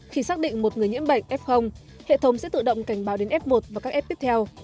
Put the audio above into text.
khi xác định một người nhiễm bệnh f hệ thống sẽ tự động cảnh báo đến f một và các f tiếp theo